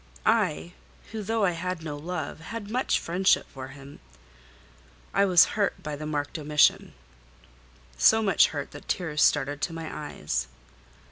I—who, though I had no love, had much friendship for him—was hurt by the marked omission: so much hurt that tears started to my eyes.